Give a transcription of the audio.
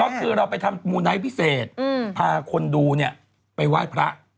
พอคือเราไปทำมุน้ำไนต์พิเศษพาคนดูไปว้าทพระ